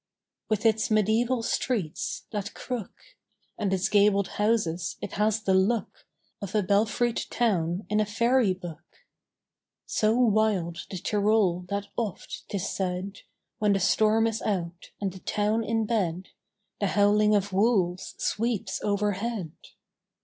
With its mediæval streets, that crook, And its gabled houses, it has the look Of a belfried town in a fairy book. So wild the Tyrol that oft, 'tis said, When the storm is out and the town in bed, The howling of wolves sweeps overhead.